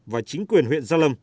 và chính quyền huyện gia lâm